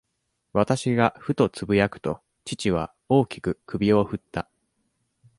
私がふとつぶやくと、父は、大きく首をふった。